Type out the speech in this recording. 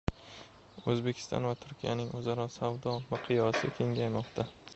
O‘zbekiston va Turkiyaning o‘zaro savdo miqyosi kengaymoqda